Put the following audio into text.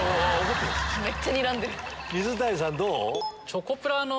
水谷さんどう？